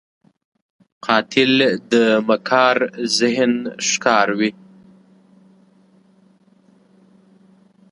قاتل د مکار ذهن ښکار وي